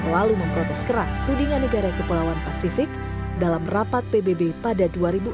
lalu memprotes keras tudingan negara kepulauan pasifik dalam rapat pbb pada dua ribu empat belas